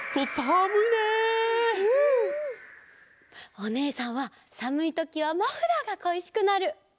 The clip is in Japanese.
おねえさんはさむいときはマフラーがこいしくなる！